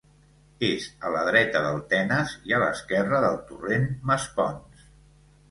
És a la dreta del Tenes i a l'esquerra del Torrent Masponç.